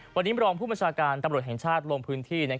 วันนี้มรองผู้บัญชาการตำรวจแห่งชาติลงพื้นที่